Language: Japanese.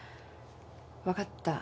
分かった。